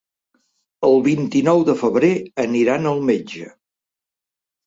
El vint-i-nou de febrer aniran al metge.